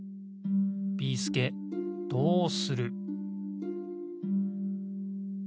ビーすけどうする！？